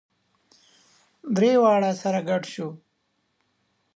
درې واړه سره ګډ شوو.